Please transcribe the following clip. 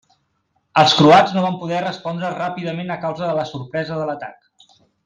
Els croats no van poder respondre ràpidament a causa de la sorpresa de l'atac.